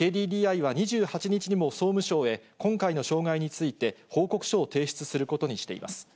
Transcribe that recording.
ＫＤＤＩは２８日にも総務省へ、今回の障害について報告書を提出することにしています。